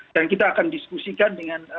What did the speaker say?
dan kita akan diskusikan dengan